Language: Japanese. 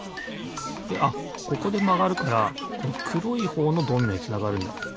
であっここでまがるからこのくろいほうのドミノへつながるんだ。